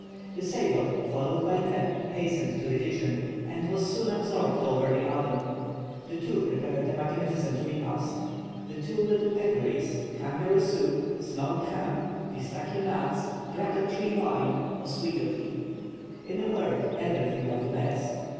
The sailor, followed by Neb, hastened to the kitchen, and was soon absorbed over the oven. The two prepared a magnificent repast; the two little peccaries, kangaroo soup, smoked ham, pistachio nuts, dragon tree wine, Oswego tea; in a word, everything of the best.